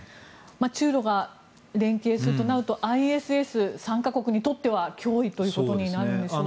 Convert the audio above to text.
中ロが連携するとなるとＩＳＳ参加国にとっては脅威ということになるんでしょうか。